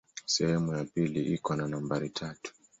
Sehemu ya pili iko na nambari tatu.